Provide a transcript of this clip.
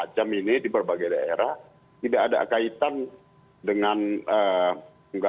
kan begitu ya